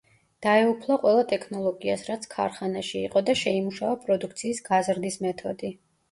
დაეუფლა ყველა ტექნოლოგიას, რაც ქარხანაში იყო და შეიმუშავა პროდუქციის გაზრდის მეთოდი.